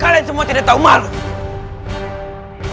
kalian semua tidak tahu malu